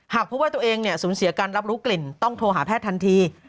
หากพบว่าตัวเองสูญเสียการรับรู้กลิ่นต้องโทรหาแพทย์ทันที